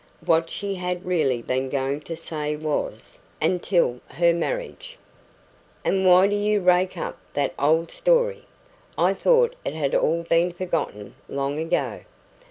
(What she had really been going to say was "until her marriage.") "And why do you rake up that old story? I thought it had all been forgotten long ago."